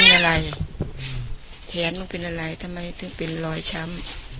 อะไรแขนมันเป็นอะไรทำไมถึงเป็นรอยช้ำ